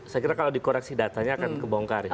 saya kira kalau dikoreksi datanya akan kebongkari